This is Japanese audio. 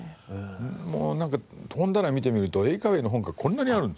もうなんか本棚見てみると英会話の本がこんなにあるんですよ。